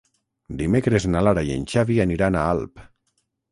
Dimecres na Lara i en Xavi aniran a Alp.